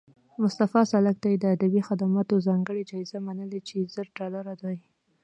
مصطفی سالک ته یې د ادبي خدماتو ځانګړې جایزه منلې چې زر ډالره دي